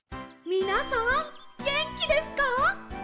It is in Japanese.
みなさんげんきですか？